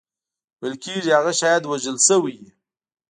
ویل کېږي هغه شاید وژل شوی وي.